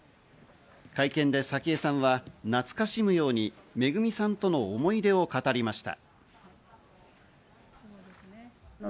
会見で早紀江さんは懐かしむようにめぐみさんとの思い出を語りました。